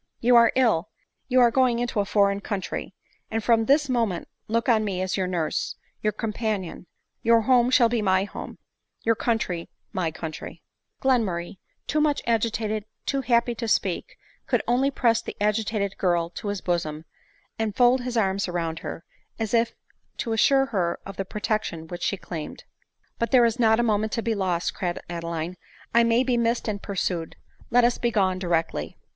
You are ill, you are going into a foreign country ; and from this moment look on me as your nurse, your companion ; your home shall be my home, your country my country !" Glenmurray, too much agitated, too happy to speak, could only press the agitated girl to his bosom, and fold V , ADELINE MOWBRAY. ?5 his arms round her, as if to assure her of the protection which she claimed. " But there is not a moment to be lost," cried Ade line ;" I may be missed and pursued ; let us be gone directly."